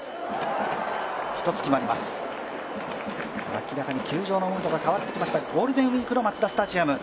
明らかに球場のムードが変わってきましたゴールデンウイークのマツダスタジアム。